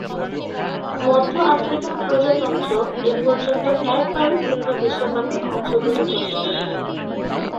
মধ্য আফ্রিকান প্রজাতন্ত্র এপর্যন্ত একবারও ফিফা বিশ্বকাপে অংশগ্রহণ করতে পারেনি।